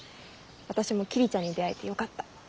私も桐ちゃんに出会えてよかった。